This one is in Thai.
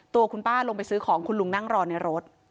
ตัวคุณป้าลงไปซื้อของคุณลุงนั่งรอในรถ